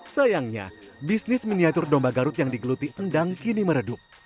sayangnya bisnis miniatur domba garut yang digeluti endang kini meredup